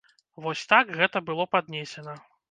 Вось так гэта было паднесена.